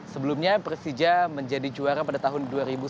sebelumnya persija menjadi juara pada tahun dua ribu satu